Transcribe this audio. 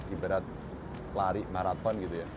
ibarat lari maraton gitu ya